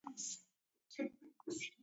Naw'ereda maka